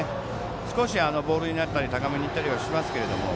少しボールが浮いたり高めに行ったりはしますけども。